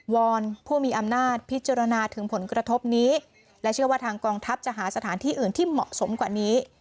อนผู้มีอำนาจพิจารณาถึงผลกระทบนี้และเชื่อว่าทางกองทัพจะหาสถานที่อื่นที่เหมาะสมกว่านี้